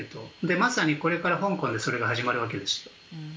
まさにこれから香港でそれが始まるわけです。